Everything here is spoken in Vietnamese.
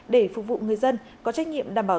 để phục vụ người dân có trách nhiệm đảm bảo